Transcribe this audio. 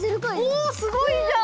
おっすごいじゃん！